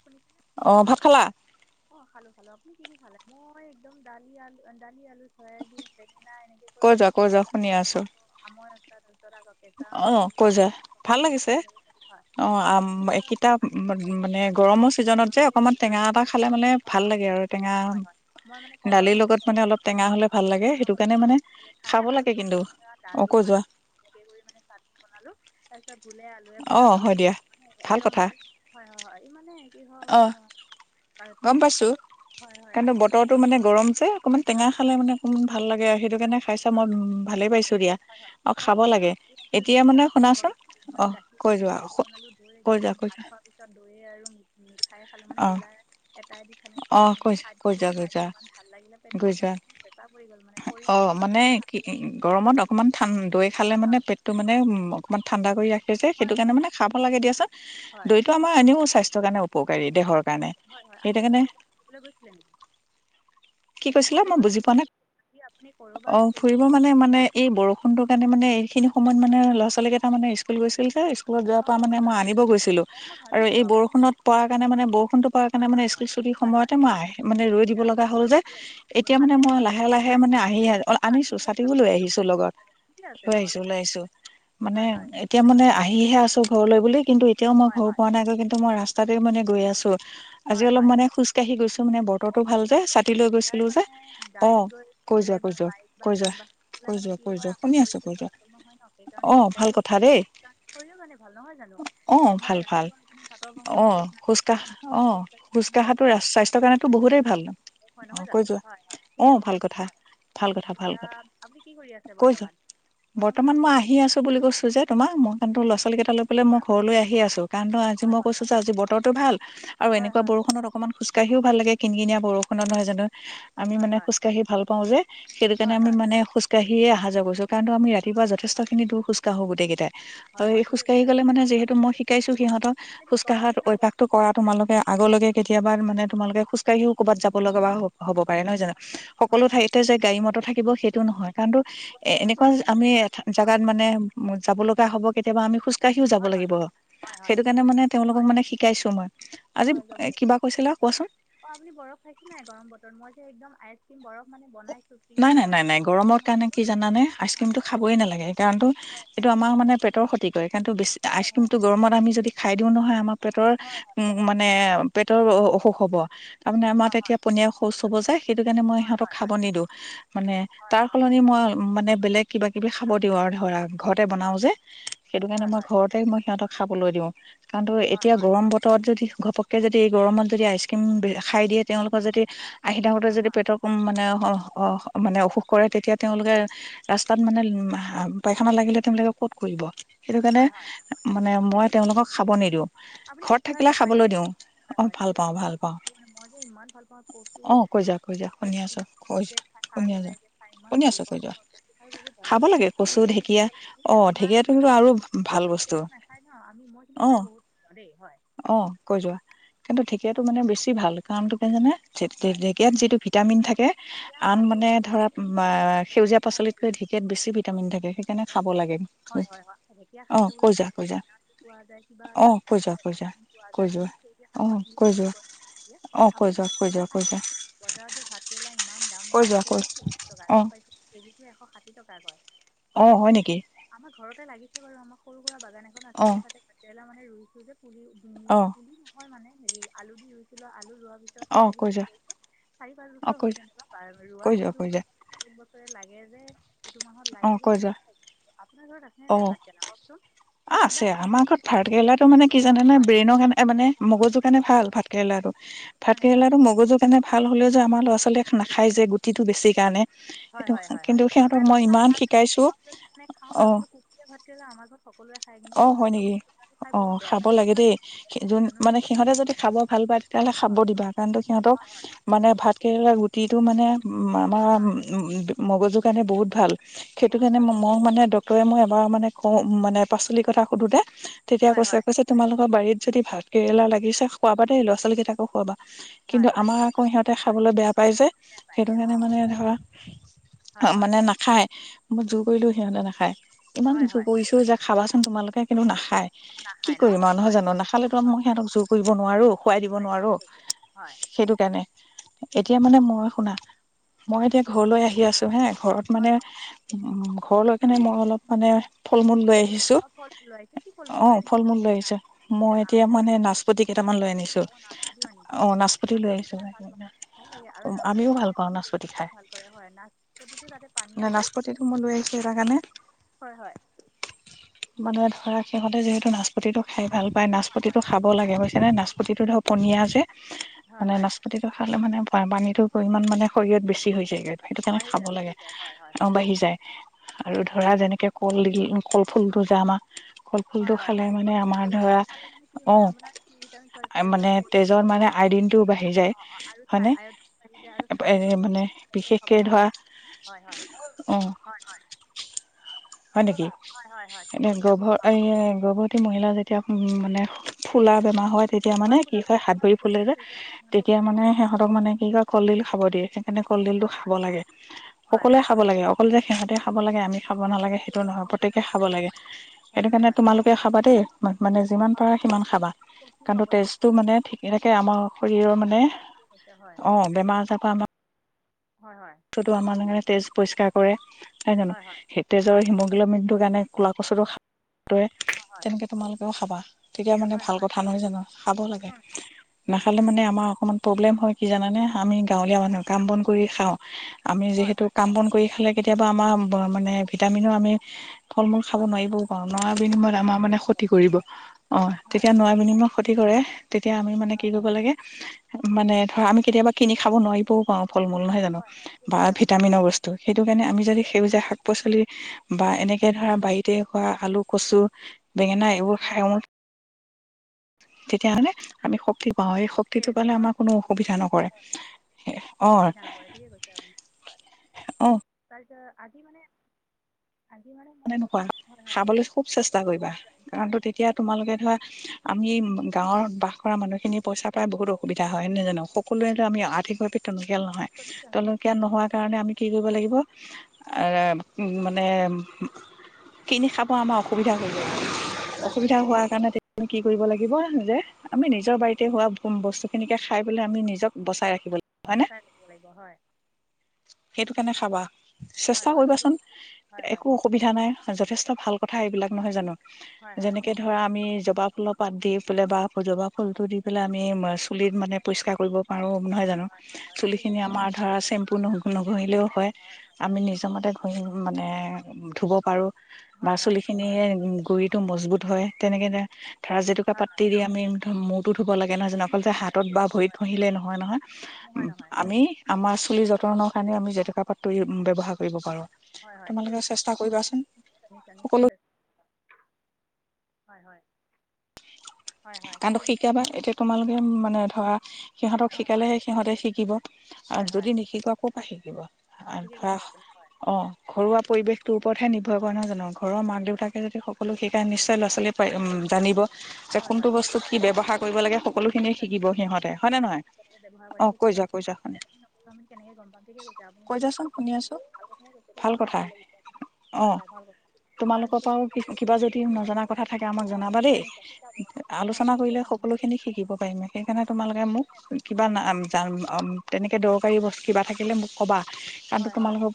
শুনি [unintelligible] অ ভাত খালা। অ খালো খালো আপুনি কি খালে মই একদম দালি আল দালি আলু সয়াবিন। এনেকে কৈ বনাই আমৰ আচাৰটো তৰা। কচাম কি কাটি আৰু খ তাৰ পিছত আল। হয়, হয়, হয়, হয়, হয় মই মানে কলৰ মানে পচলা বস্তু আকাৰ মতো খাই আৰু নৰসুৰা দালি মাটি এনেকে মানে। ভাত বনালো তাৰপিছত। ভুলে আলুৱে বনালো মানে একদম হয় হয় হয় মানে। কি হ মই। গম পাইছো কাৰণ বতৰটো মানে গৰম যে অকমান টেঙা খালে মানে অকমান ভাল লাগে। আৰু সেইটো কাৰণে খাইছ মই ভালেই পাইছো দিয়া আৰু খাব লাগে এতিয়া মানে শুনাচোন আহ কৈ যোৱা কৈ যোৱা কৈ যোৱা। খাই ছালো গলা এটাইদি খানাই ধুনীয়াকে খাই যে খাই ইমান ভাল লাগিলে পেটটো একদম চেচা পৰি গ'ল মানে খৰটো ইমান ধুনীয়া ঠাণ্ডা লাগি গৈছে চেঁচা লাগি গৈছে মানে হয় হয়। সেইযে সেইটো কাৰণে মানে খাব লাগে দিয়াচোন দৈটো আমাৰনেও সাস্থৰে অ অ আজি আপুনি হয় হয় আজি আপুনি ক'ৰবাত ফুৰিবলৈ গৈছিলে নেকি। কি কৈছিলা মই বুজি পোৱা না অ ফুৰিব মানে মানে এই বৰষুণটোৰ কাৰণে মানে এইখিনি। অকনমান মানে ল'ৰা ছোৱালীকেইটা মানে স্কুল গৈছিল যে। স্কুলত যোৱাৰ পৰা মানে মই আনিব গৈছিলোঁ। আৰু এই বৰষুণত পৰা কাৰণে মে বৰষুণটোপা কাৰণে মানে স্কুল ছুটিৰ সময়তে মই আহ মানে ৰৈ দিব লগা হ'ল যে। এতিয়া মানে মই লাহে লাহে মানে আহি অ আনিছোঁ ছাতিটো লৈ আহিছোঁ লগত লৈ আহিছোঁ লৈ আহিছো মানে এতিয়া মানে আহি। আহি হে আছোঁ ঘৰলৈ বুলি। কিন্তু এতিয়াও মই ঘৰ পোৱা নাইগৈ কিন্তু মই ৰাস্তাতেই মানে। গৈ আছোঁ। আজি অলপ মানে খোজকাঢ়ি গৈছোঁ মানে বতৰটো ভাল যে ছাটি। সদায় মানে গাড়ীত গৈ গলে বা বাইক বা যান বাহন গলে মানে কি হয়। আমাৰ শৰীৰটো চলাচলম নহয় ন সেই কাৰণে খোজ কাঢ়ি গ'লে মানে শৰীৰও মানে ভাল নহয় জানো আপোনাৰ ৰাতিপুৱা আপু পাটৰ ভ্ৰমণৰ খোজ নানে। খোজ কাঢ়ি মানে অভ্যাস আৰু অ কৈ যোৱা অ ভাল কথা ভাল কথা ভাল কথা কৈ যোৱা। বৰ্তমান মই আহি আছোঁ বুলি কৈছোঁ যে তোমাক মই কিন্তো। ল'ৰা ছোৱালী কিটা। লৈ পেলাই মই ঘৰলৈ আহি আছো কাৰণ আজি মই কৈছো যে আজি বতৰো ভাল আৰু এনেকুৱা বৰুত অকনমান খোজকাঢ়ি। ভাল লাগে কিন কিনিয়া বৰষুণ। নহয় জানোঁ। আমি মানে খোজকাঢ়ি ভাল পাওঁ যে সেইটো কাৰণে আমি মানে খোজকাঢ়ি। সিয়ে আহা যোৱা কৰিছে কাৰণ তো আমি। ৰাতিপুৱা যথেষ্ঠ খিনি খোজকাঢ়ো গোটেই কেইটাই আৰু এই খোজকাঢ়ি গ'লে মানে যিহেতু মই শিকাইছোঁ সিহঁতক খোজকাঢ়াৰ অভ্যাসতটো কৰা তোমালোকে আগলৈকে কেতিয়াবা তোমালোকে খোজকাঢ়িো ক'ৰবাত যাব। হ'ব লগা হ'ব পাৰে নহয় জানো। সকলো ঠাইতে যে গাড়ী মটৰ থাকে। থাকিব সেইটো নহয় কাৰণতো এ এনেকুৱা আমি এ জাগাত মানে যাব লগা হ'ব কেতিয়াবা আমি খোজ কাঢ়িও যাব লাগিব। সেইটো কাৰণে মানে তেওঁলোকক মানে শিকাইছোঁ। মই আজি কিবা কৈছিলা কোৱাচোন। নাই গৰম বতৰ মই যে একদম আইচ ক্ৰীম বৰফ মানে বনাই। নাই নাই নাই নাই গৰমৰ কাৰণে কি জানা। মানে আইচ ক্ৰীম টো খাবই নালাগে কাৰণটো এইটো আমাৰ মানে পেটৰ ক্ষতি কৰে। সৈইটো বেছি আইচক্ৰীম টোত গৰমত আমি যদি খাও। খাই দিওঁ নহয় আমাৰ। পেটৰ উ মানে। পেটৰ অসুখ হ'ব। তাৰমানে আমাৰ তেতিয়া পনীয়া শৌচ হ'ব যায় সেইটো কাৰণে মই সিহঁক খাব নিদিওঁ। মানে তাৰ সলনি মই মানে বেলেগ বেলেগ কিবা কিবি খাব দিওঁ আৰু ধৰা ঘৰতে বনাও যে সেইটো কাৰণে মই ঘৰতে মই সিহঁতক খাবলৈ দিওঁ কাৰণটো এতিয়া গৰম বতৰত যদি ঘপ কে এতিয়া যদি এই গৰমত যদি আইচ ক্ৰীম খাই দিয়ে তেওঁলোকৰ যদি আহি থাকোঁতে যদি পেটৰ ক মানে অ মানে অসুখ কৰে তেতিয়া তেওঁলোকে ৰাস্তাত মানে পাইখানা লাগিলে তেওঁলোকে কত কৰিব সেইটো কাৰণে মানে মই তেওঁলোকক খাব নিদিও আপুনি কচু খাই ভাল পায় নে হয় হয় ঠিক আছে ভাল মানে মই যে ইমান ভাল পাওঁ কচু মাটিমা দি খাই খাৰ বনাই যে খাই ইমান ভাল পাওঁ মই কচু খাই বহুত ভাল লাগে কচু খালে মানে আমাৰ প্ৰতেকে নাখায় ন আমি মই কিন্তু খাই বহুত অ কৈ যোৱা কিন্তু ঠিকেইটো মানে বেছি ভাল কাৰণ তোকে জানা ঢেকিয়াত যিটো ভিটামিন থাকে আন মানে ধৰা সেউজীয়া পাচলিতকৈ ঢেকিয়াত বেছি ভিটামিন থাকে সেইকাৰণে খাব লাগে। অ কৈ যা কৈ যা অ কৈ যোৱা কৈ যা কৈ যোৱা অ কৈ যোৱা অ কৈ যোৱা ভাতকেৰেলা খাই নে নাখায় বজাৰ যে ভাতা কেৰেলা ইমান দাম দাম নহয় পোৱাই চল্লিশ টকা গম পাইছো কেজিটো এশ ষাঠি টকা কয় গম পাইছে আমাৰ ঘৰতে লাগি সেই বাৰু আমাক সৰু পুৰা বাগান এখন আছে যে তাতে ভাতকেৰেলা মই মানে ৰুইছোঁ যে পুলি অ হয় মানে হেৰি আলু দি ৰুইছিলো আলু ৰোৱা পিছ তাইদি মানে কৈছে চাৰি পাঁচ বছৰ যেনিবা ৰোৱা কিন্তু এক বছৰে লাগে যে এইটো মাহত লাগে যে বহুত খাইছা আপোনাৰ ঘৰত আছে আছে নে নাই ভাতকেলা কওকচোন কিবা কি ভিটামিন আছে হয় সটো কাৰণে বহুত ভাল হয় হয় হয় হয় সেই কাৰণে ভাল সেটো মগজুৰ কাৰনে ভাল হলে যে আমাৰ ল'ৰা ছোৱালীয়েক নাখায় যে গুটিটো বেছি কাৰণে হয় হয় হয় হয় মই আকৌ খাই ভাল ইমান নাপাওঁ যদিও খাওঁ আৰু কিন্তু এতিয়া ভাত কেৰেলাৰ আমাৰঘত অ হয় নেকি অ খাব লাগে দেই যোন মানে সিহঁতে যদি খাব ভাল পায় তেতিয়াহলে খাব দিবা কাৰণো সিহঁতক মানে ভাত কেৰেলা গুটিটো মানে উ আমাৰ উ মগজুৰ কাৰণে বহুত ভাল সেইটো কাৰণে মই মানে ডক্তৰে মই এবাৰ মানে ক মানে পাচলিৰ কথা সুধোঁতে তেতিয়া কৈছে কৈছে তোমালোকৰ বাৰীত যদি ভাত কেৰেলা লাগিছে চ খুৱাবা দেই ল'ৰা ছোৱালীকেইটাকো খুৱাবা কিন্তু আমাৰ আকৌ সিহঁতে খাবলৈ বেয়া পাই যে সেইটো কাৰণে মানে ধৰা মানে নাখায় মই জোৰ কৰিলেও সিহঁতে নাখায় ইমান যোৰ কৰিছোঁ য কোৱাচোন তোমালোকে কিন্তু নাখায় কি কৰিম আৰু নহয় জানো নাখালেতো মই সিহঁতক জোৰ কৰিব নোৱাৰো খোৱাই দিব নোৱাৰো সেইটো কাৰণে এতিয়া মানে মই শুনা মই এতিয়া ঘৰলৈ আহি আছো হে ঘৰত মানে উ ঘৰ লৈ কেনে মই অলপ মানে ফল মূল অ ফল লৈ আহিছে, কি ফল মূল আনিছে, আপেল, আম, কঁঠাল, নাচপতিও আনিছে মানে অ নাচপতি খাই ভাল ভাল লাগে আৰু নাচপতি খালে মানে ভাল কৰে হয় নাচপতিটো তাতে পানীয়া য়ে হয় হয়। মানে ধৰা সিহঁতে যিহেতু নাচপতিটো খাই ভাল পায় নাচপতিটো খাব লাগে বুজিছানে নাচপতিটো ধৰ পনীয়া যে মানে নাচপতিটো খালে মানে অ পানীটো পৰিমাণ মানে শৰীৰত বেছি হৈ যায়গৈ সেইটো কাৰণে খাব লাগে আৰু বাঢ়ি যায় আৰু ধৰা যেনে কলডিল কলফুলটো যে আমাৰ হয় হয় হয় অ কলফুলটো খালে মানে কি হয় আপোনাৰ তেজৰ পৰিমানটো বাঢ়ি যায় আৰু আয়ডিন বাঢ়ি যায় আৰু থাইৰডো আমাক খাব দিয়ে হয় হয় হয় হয় হয় নেকি এতিয়া গৰ্ভ এই গৰ্ভৱতী মহিলা যেতিয়া মানে ফুলা বেমাৰ হয় তেতিয়া মানে কি হয় হাত ভৰি ফুলে যে তেতিয়া মানে সিহঁতক মানে কি ক কলডিল খাব দিয়ে সেইকাৰণে কলডিলটো খাব লাগে সকলোৱে খাব লাগে অকল যে সিহঁতে খাব লাগে আমি খাব নালাগে সেইটো নহয় প্ৰত্যেকেই খাব লাগে সেইটো কাৰণে তোমালোকে খাবা দেই মানে যিমান পাৰা সিমান খাবা কাৰণ তেজটো মানে ঠিক থাকে আমাৰ শৰীৰৰ মানে অ বেমাৰ আজাৰ পৰা আমাৰ মানুহে তেজ পৰিষ্কাৰ কৰে নাই জানো সি তেজৰ হিমগ্লবিনটোৰ কাৰণে। কোলা কছোটো খাব। তেনেকে তোমালোকেও খাবা তেতিয়া মানে ভাল কথা নহয় জানো খাব লাগে নাখালে মানে আমাৰ অকনমান প্ৰব্লেম হয়। কি জানে আমি। গাঁৱলীয়া মানুহৰ কাম বন কৰি খাওঁ। আমি যিহেতু কাম বন কৰি খালে। কেতিয়াবা আমাৰ মানে ভিটামিনৰ আমি। ফল মূল খাব নোৱাৰিবও পাৰো নোৱাৰ বিনিময় আমাৰ মানে ক্ষতি কৰিব অ তেতিয়া নোৱাৰ বিনিময়ত ক্ষতি কৰে তেতিয়া আমি মানে কি কৰিব লাগে মানে। ধৰা আমি কেতিয়া কিনি খাব নোৱাৰিবও পাৰওঁ ফলূল নহয়। বা ভিটামিনৰ বস্তু সেইটো কাৰণে আমি যদি সেউজীয়া শাক পাচলি। বা এনেকে ধৰা বাৰীতে খোৱা আলু কচু। বেঙেনা এইবোৰ খাই মোৰ। তেতিয়াহলে আমি শক্তি। প স শক্তিটো পালে আমাৰ কোনো অসুবিধা নকৰে অ। কাৰ আজি মানে। নেকুৱা খাবলৈ খুব চেষ্টা কৰিবা কাৰণ তেতিয়া তোমালোকে ধৰা আমি। গাঁৱত বাস কৰা মানুহখিনি পইচা পায় বহুত। সুবিধা হয় ননে জানো সকলোৱেতো আমি আৰ্থিকভাৱে। লকিয়াল নহয় লকিয় নহোৱা কাৰণে আমি। কি কৰিব লাগিব মানে। কিনি খাব আমাৰ অসুবিধা হয়। অসুবিধা হোৱাৰ কাৰণে তে। কি কৰিব লাগিব যে। আমি নিজৰ বাৰীতে হোৱা। বস্তুখিনিকে খাই পেলাই আমি নিজক বচাই ৰাখিম। বচাই লিব লাগিব হয়। সেইটো কেনে খাবা। চেষ্টা কৰিবাচোন একো অসুবিধা নাই যথেষ্ট। ভাল কথা এইবিলাক নহয় জানো। যেনেকে ধৰা আমি জবা। ফুলৰ পাত দি পেলাই বাজোপা ফুলটো দি পেলাই আমি চুলিত মানে পৰিষ্কাৰ কৰিব। আৰু নহয় জানো চুলি খিনি আমাৰ ধৰা চেম। নঘহিলেও হয় আমি নিজ মতে ঘহিম মানে ধুব পাৰো মাচলি খিনি গুৰিত টো মজবুত হয় তেনেকে ধৰা জেতুকা পাতি দি আমি ইনকাম মুখ টো ধুব লা অকল যে অ হাতত বা ভৰিতহিলে নহয় নহয় আমি আমাৰ চুলি বতৰণৰ কাৰণে আমি জেতুকা পাতটো ব্যৱহাৰ কৰিব পাৰোঁ হয় হয় ঠিকে কৈছে আপুনি নিশ্চয় নিশ্চয় নিশ্চয় হয় হয় কামটো শিকাবা এতিয়া তোমালোকে মানে ধৰা সিহঁতক শিকালেহে সিহঁতে শিকিব আৰু যদি নিশিকোৱা ক' পৰা শিকিব আৰু ধৰা অ ঘৰুৱা পৰিৱেশটো পথে নিৰ্ভৰ ক ন জানো ঘৰৰ মাক দেউতাকে যদি সকলো শিকায় নিশ্চয় লৰা ছোৱালী হয় উম জানিব হয় হয় ঠিকৱহাৰ কৰি কেনেক গম পাম ঠিকে কৈছে আপুনি যোৰ ভক ভাল কথাই কৈছে আপুনি ভাল লাগিছে আপোনাক হয় হয় ভাল কথা কাৰ অ নিশ্চয়শ আলোচনা কৰিলে সকলো খিনি শিকিব পাৰিম সেইকাৰণে তোমালোকে মোক কিবা তেনেকে দৰকাৰী বস্তু কিবা থাকিলে মোক ক'বা হয় হয় হয়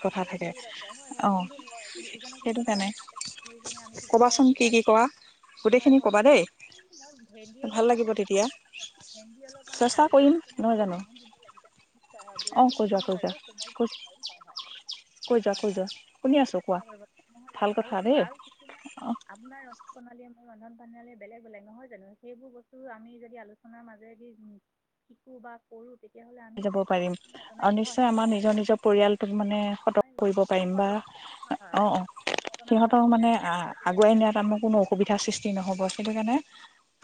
শিকিবাগে বহুত আছে হয় হয় কিন্তু হয় কিন্তু ইজনে সিজনক আমি কা আমি শিকিলেহে শিকা য হয় হয় ভেন্দি অলপ মানে ভেন্দি অলপ মানে দালি দিনে খালো ইমান লাগি বুঢ়া যিকি নহকবাৰু ৰন্ত বানালে বেলেগ বেলেগ নহয় জানো সেইবোৰ বস্তু আমি যদি আলোচনাৰ মাজে যদি শিকো বা কৰো তেতিয়াহ'লে আমি আৰু নিশ্চয় আমাৰ নিজৰ নিজৰ পৰিয়ালটোক মানে কৰিব পাৰিম বা অ অ সিহঁতক মানে আগুৱাই নিয়াত ত আ মোৰ কোনো অসুবিধাৰ সৃষ্টি নহ'ব সেইটো কাৰণে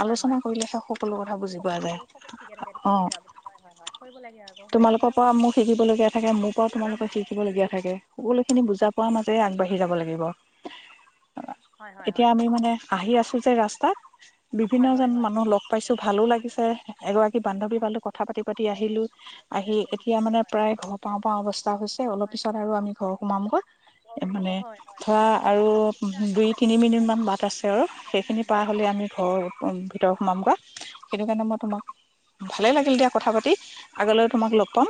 আলোচনা কৰিলেহে সকলো কথা বুজি পোৱা যায় অ তোমালোকৰ পৰা মোক শিকিবলগীয়া থাকে মোৰ পৰাও তোমালোকৰ শিকিব লগগীয়া থাকে সকলোখিনি বুজা পোৱাৰ মাজে আগবাঢ়ি যাব লাগিব এতিয়া আমি মানে আহি আছো তই ৰাস্তাত বিভিন্নজন মানুহ লগ পাইছো ভালো লাগিছে এগৰাকী বান্ধৱী পালো কথা পাতি পাতি আহিলো আহি এতিয়া মানে প্ৰায় ঘৰ পাওঁ পা অৱস্থা হৈছে অলপ পিছত আৰু আমি ঘৰ সোমামগে মানে ধৰা আৰু দুই তিনি মিনিট মান বাট আছে আৰু সেইখিনি পাৰ হলে আমি ঘৰ ভিতৰত সোমামগে সেইটো কাৰণে মই তোমাক ভালে লাগিল দিয়া কথা পাতি আগলৈ তোমাক লগ পাম